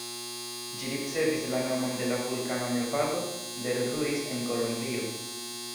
Ĝi ricevis la nomon de la vulkano Nevado del Ruiz en Kolombio.